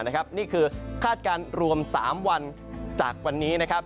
นี่คือคาดการณ์รวม๓วันจากวันนี้นะครับ